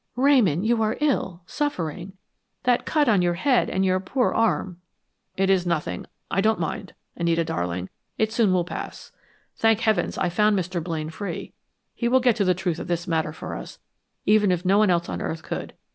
"Ramon, you are ill, suffering. That cut on your head and your poor arm " "It is nothing. I don't mind, Anita darling; it will soon pass. Thank Heavens, I found Mr. Blaine free. He will get to the truth of this matter for us even if no one else on earth could.